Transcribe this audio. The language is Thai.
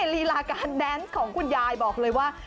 ลีลาการแดนซ์ของคุณยายบอกเลยว่า